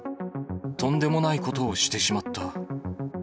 とんでもないことをしてしまった。